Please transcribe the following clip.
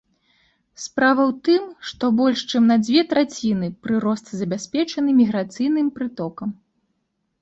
Справа ў тым, што больш чым на дзве траціны прырост забяспечаны міграцыйным прытокам.